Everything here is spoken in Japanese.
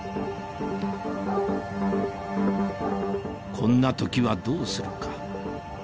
こんな時はどうするか？